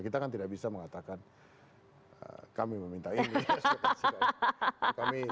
kita kan tidak bisa mengatakan kami meminta ini